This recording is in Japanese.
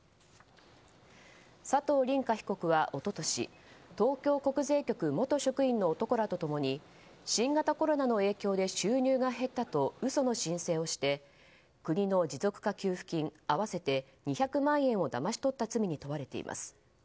佐藤凜果被告は、一昨年東京国税局元職員の男らと共に新型コロナの影響で収入が減ったと嘘の申請をして国の持続化給付金合わせて２００万円をだまし取った罪に問われています。